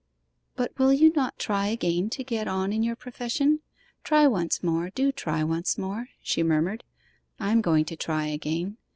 'But will you not try again to get on in your profession? Try once more; do try once more,' she murmured. 'I am going to try again.